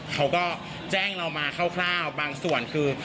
เขาก็แจ้งเรามาคร่าวบางส่วนคือ